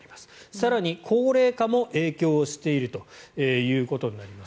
更に、高齢化も影響しているということになります。